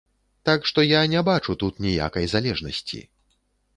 Так што я не бачу тут ніякай залежнасці.